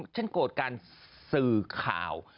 โกรธการสื่อข่าว